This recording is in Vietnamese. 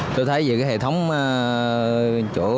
tôi thấy về cái hệ thống hành lang giao thông